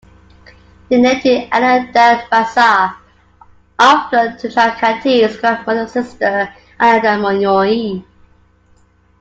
They named it "Ananda Bazar" after Tusharkanti's grandmother's sister Anandamoyee.